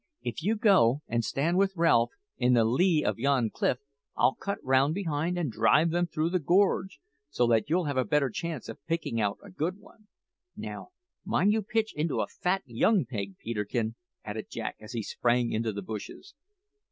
If you go and stand with Ralph in the lee of yon cliff I'll cut round behind and drive them through the gorge, so that you'll have a better chance of picking out a good one. Now, mind you pitch into a fat young pig, Peterkin!" added Jack as he sprang into the bushes.